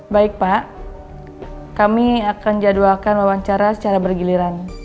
baik pak kami akan jadwalkan wawancara secara bergiliran